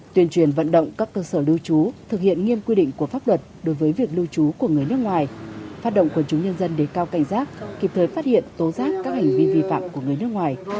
tuyên truyền vận động các cơ sở lưu trú thực hiện nghiêm quy định của pháp luật đối với việc lưu trú của người nước ngoài phát động quần chúng nhân dân để cao cảnh giác kịp thời phát hiện tố giác các hành vi vi phạm của người nước ngoài